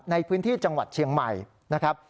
ในพื้นที่จังหวัดเชียงใหม่นะครับ